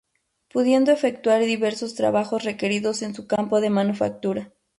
Pudiendo efectuar diversos trabajos requeridos en su campo de manufactura.